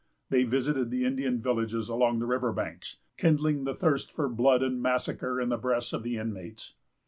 They visited the Indian villages along the river banks, kindling the thirst for blood and massacre in the breasts of the inmates.